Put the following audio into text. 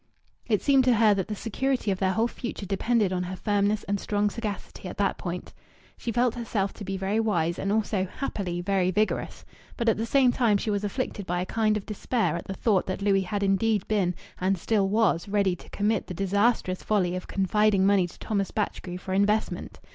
It seemed to her that the security of their whole future depended on her firmness and strong sagacity at that moment. She felt herself to be very wise and also, happily, very vigorous. But at the same time she was afflicted by a kind of despair at the thought that Louis had indeed been, and still was, ready to commit the disastrous folly of confiding money to Thomas Batchgrew for investment.